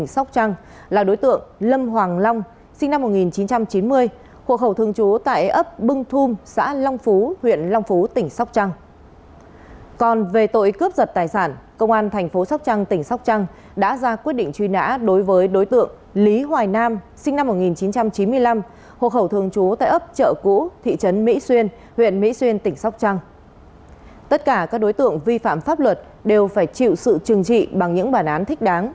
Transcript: xin chào và hẹn gặp lại